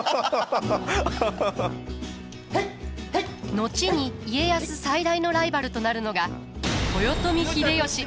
後に家康最大のライバルとなるのが豊臣秀吉。